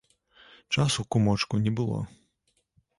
Часу, кумочку, не было.